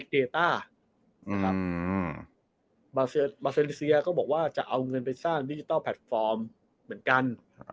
มาเซเลเซียก็บอกว่าจะเอาเงินไปสร้างดิจิทัลแพลตฟอร์มเหมือนกัน